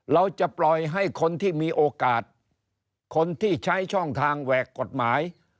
เราจะปล่อยให้คนที่มีโอกาสคนที่ใช้ช่องทางแหวกกฎหมาย